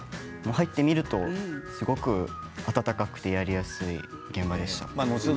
入ってみると温かくてやりやすい現場でした。